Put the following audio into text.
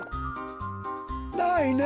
ないね。